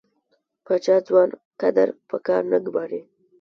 پاچا ځوان کدر په کار نه ګماري .